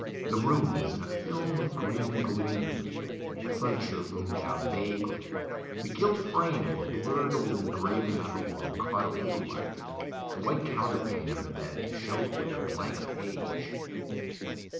The room was in a film of green gloom. The furniture loomed out vaguely. The gilt frame of a blurred old engraving on the wall caught a little light. The white counterpane on the bed showed like a blank page.